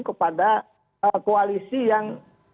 kepada koalisi yang